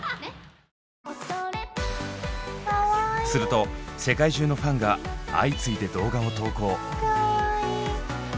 すると世界中のファンが相次いで動画を投稿。